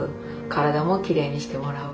体もきれいにしてもらう。